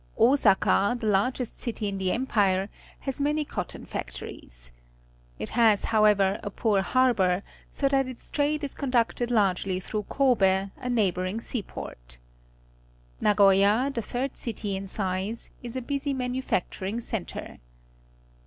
OsakOj the largest citj in the Empire, has manj^ cotton factories. It has, however, a poor harbour, so that its trade is conducted largely through Kobe, a neighbouring seaport. _Ajagoyfl, the third city in size, is a busy manufacturing centre.